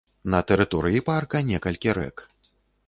На тэрыторыі парка некалькі рэк.